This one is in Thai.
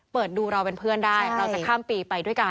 เปิดดูเราเป็นเพื่อนได้เราจะข้ามปีไปด้วยกัน